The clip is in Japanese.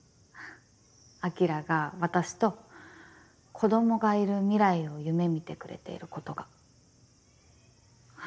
晶が私と子供がいる未来を夢見てくれていることが。